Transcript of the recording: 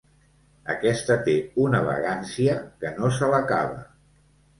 Aquesta té una vagància que no se l'acaba.